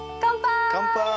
乾杯。